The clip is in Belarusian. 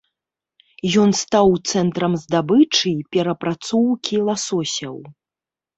Ён стаў цэнтрам здабычы і перапрацоўкі ласосяў.